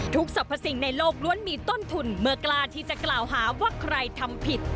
สรรพสิ่งในโลกล้วนมีต้นทุนเมื่อกล้าที่จะกล่าวหาว่าใครทำผิด